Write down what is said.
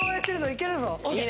いけるぞ！